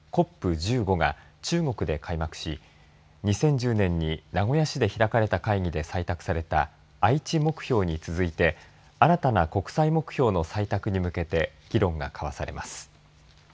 １５が中国で開幕し２０１０年に名古屋市で開かれた会議で採択された愛知目標に続いて新たな国際目標の採択に向けて議論が交わされます。